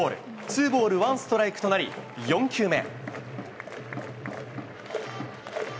ツーボールワンストライクとなり、４球目。